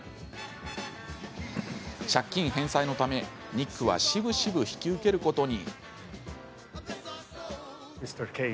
借金返済のため、ニックはしぶしぶ引き受けることに。